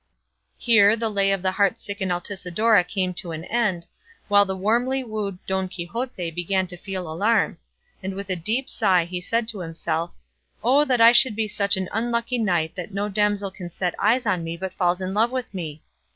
Here the lay of the heart stricken Altisidora came to an end, while the warmly wooed Don Quixote began to feel alarm; and with a deep sigh he said to himself, "O that I should be such an unlucky knight that no damsel can set eyes on me but falls in love with me!